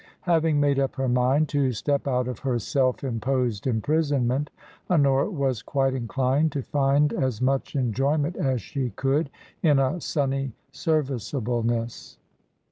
Having made up her mind to step out of her self imposed imprisonment, Honora was quite inclined to find as much enjoyment as she could in a sunny serviceableness.